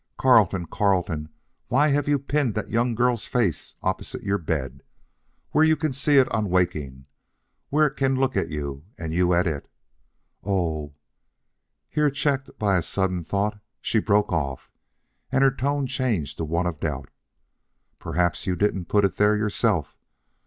"Carleton, Carleton, why have you pinned that young girl's face up opposite your bed where you can see it on waking, where it can look at you and you at it Or " here checked by a sudden thought she broke off, and her tone changed to one of doubt, "perhaps you did not put it there yourself?